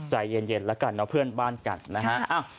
ใจเย็นแล้วกันนะเพื่อนบ้านกันนะฮะ